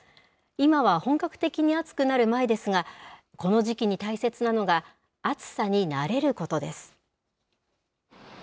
今は本格的に暑くなる前ですが、この時期に大切なのが、暑さに慣れることです。